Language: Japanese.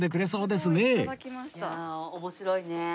面白いね。